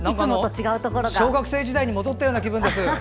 小学生時代に戻ったような気分です。